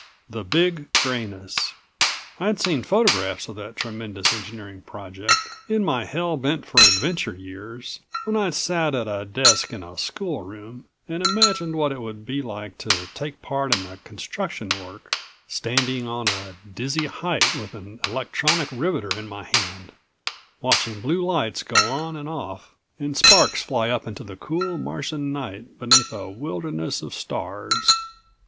The Big Grayness. I'd seen photographs of that tremendous engineering project in my hell bent for adventure years, when I'd sat at a desk in a schoolroom, and imagined what it would be like to take part in the construction work, standing on a dizzy height with an electronic riveter in my hand, watching blue lights go on and off and sparks fly up into the cool Martian night beneath a wilderness of stars.